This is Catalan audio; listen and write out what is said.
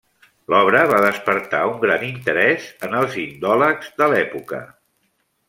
L'obra va despertar un gran interès en els indòlegs de l'època.